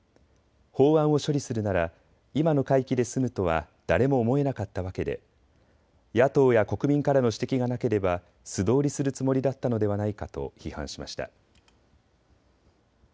法案を処理するなら今の会期で済むとは誰も思えなかったわけで野党や国民からの指摘がなければ素通りするつもりだったのではないかと批判しました。